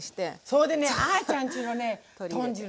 それでねあちゃんちのね豚汁